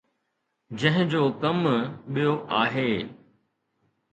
جنهن جو ڪم ٻيو آهي.